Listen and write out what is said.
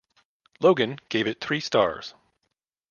Logan gave it three stars.